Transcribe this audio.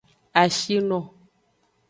Ashino.